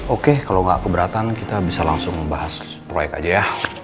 oke kalau nggak keberatan kita bisa langsung membahas proyek aja ya